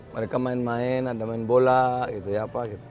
mereka main main ada main bola gitu ya pak